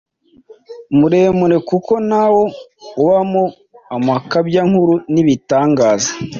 muremure kuko na wo ubamo amakabyankuru n’ibitangaza,